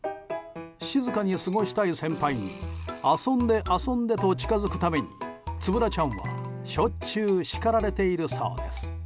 静かに過ごしたい先輩に遊んで遊んで！と近づくためにつぶらちゃんは、しょっちゅう叱られているそうです。